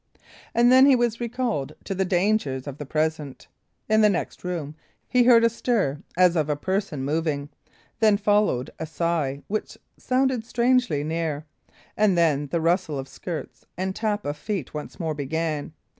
And then he was recalled to the dangers of the present. In the next room he heard a stir, as of a person moving; then followed a sigh, which sounded strangely near; and then the rustle of skirts and tap of feet once more began.